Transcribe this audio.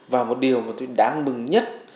và một điều mà tôi đáng mừng nhất